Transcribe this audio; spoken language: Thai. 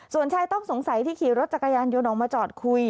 ส่วนชายต้องสงสัยที่ขี่รถจักรยานยนต์ออกมาจอดคุย